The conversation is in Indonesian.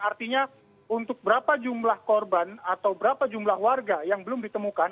artinya untuk berapa jumlah korban atau berapa jumlah warga yang belum ditemukan